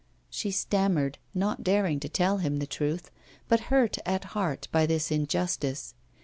She stammered, not daring to tell him the truth, but hurt at heart by this injustice.